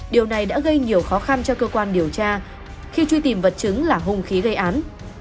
điều này đã gây nhiều khó khăn cho cơ quan điều tra khi truy tìm vật chứng là hung khí gây án